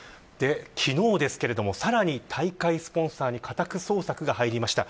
昨日ですけれども、さらに大会スポンサーに家宅捜索が入りました。